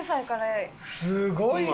すごいね！